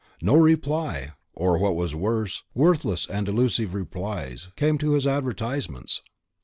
No reply, or, what was worse, worthless and delusive replies, came to his advertisements.